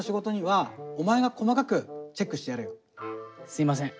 すいません。